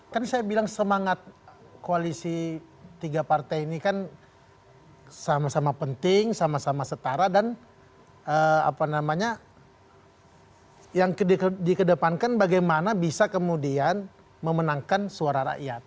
kan saya bilang semangat koalisi tiga partai ini kan sama sama penting sama sama setara dan apa namanya yang dikedepankan bagaimana bisa kemudian memenangkan suara rakyat